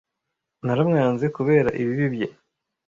Naramwanze kubera ibibi bye